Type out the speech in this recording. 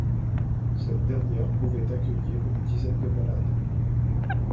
Cette dernière pouvait accueillir une dizaine de malades.